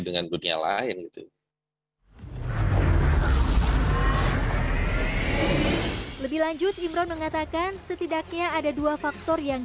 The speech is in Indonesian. dengan dunia lain itu lebih lanjut imron mengatakan setidaknya ada dua faktor yang